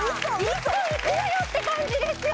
１個いくらよって感じですよね